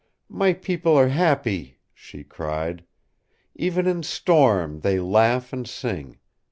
"My people are happy," she cried. "Even in storm they laugh and sing.